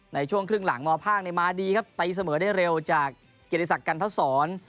ในช่วงครึ่งหลังมภาคมาดีครับตีเสมอได้เร็วจากเกียรติศักดิ์กันทศร